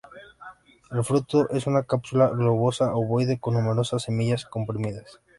El fruto es una cápsula globosa ovoide con numerosas semillas comprimidas.